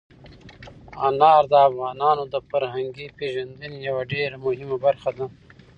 انار د افغانانو د فرهنګي پیژندنې یوه ډېره مهمه برخه ده.